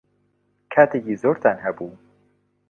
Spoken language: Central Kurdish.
کاتێکی زۆرتان هەبوو.